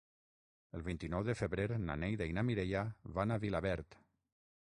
El vint-i-nou de febrer na Neida i na Mireia van a Vilaverd.